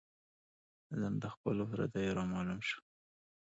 ذم د خپلو د پرديو را معلوم شو